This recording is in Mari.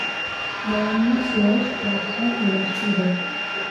Мыланна кӱлеш латшым ияш ӱдыр.